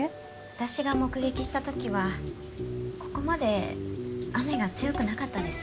私が目撃したときはここまで雨が強くなかったです